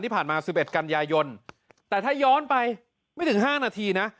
ที่ผ่านมา๑๑กันยายนแต่ถ้าย้อนไปไม่ถึง๕นาทีนะ